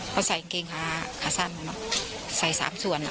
เขาใส่อันเก๊งขาขาสั้นมาใส่สามส่วนหล่ะ